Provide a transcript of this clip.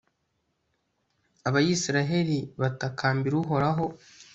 abayisraheli batakambira uhoraho